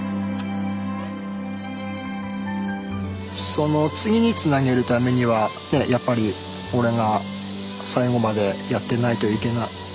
その次につなげるためにはねやっぱり俺が最後までやってないといけな続かないから。